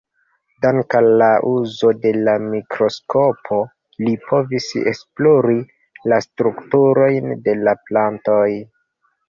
Dank'al la uzo de la mikroskopo li povis esplori la strukturojn de la plantoj.